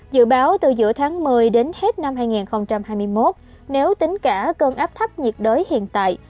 dự báo từ giữa tháng một mươi đến hết năm hai nghìn hai mươi một nếu tính cả cơn áp thấp nhiệt đới hiện tại